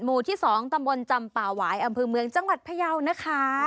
หมู่ที่๒ตำบลจำป่าหวายอำเภอเมืองจังหวัดพยาวนะคะ